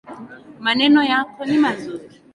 Maneno yako ni mazuri